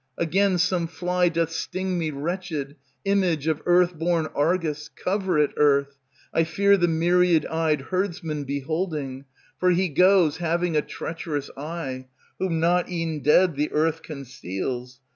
Again some fly doth sting me wretched, Image of earth born Argus, cover it, earth; I fear the myriad eyed herdsman beholding; For he goes having a treacherous eye, Whom not e'en dead the earth conceals.